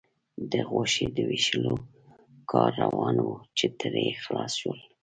د غوښې د وېشلو کار روان و، چې ترې خلاص شول.